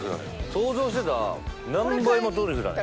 想像してた何倍もトリュフだね